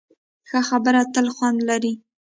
ښه خبره تل خوند لري.